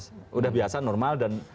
sudah biasa normal dan